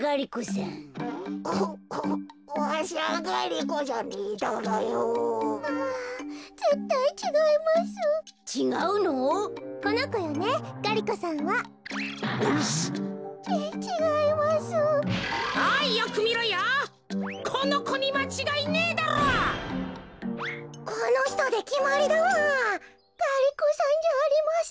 ガリ子さんじゃありません。